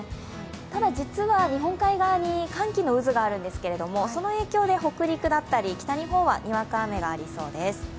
ただ、実は日本海側に寒気の渦があるんですけどその影響で北陸だったり北日本はにわか雨がありそうです。